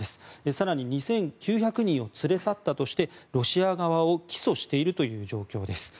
更に２９００人を連れ去ったとしてロシア側を起訴しているという状況です。